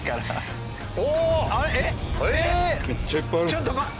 ちょっと。